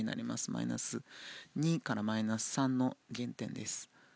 マイナス２からマイナス３の減点です。